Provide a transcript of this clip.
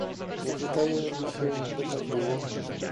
Nie wydaje mi się, by tak było